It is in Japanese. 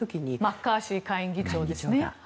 マッカーシー下院議長ですね。